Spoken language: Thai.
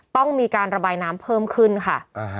ต้องมีการระบายน้ำเพิ่มขึ้นค่ะ